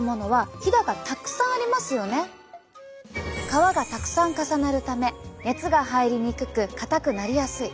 皮がたくさん重なるため熱が入りにくく硬くなりやすい。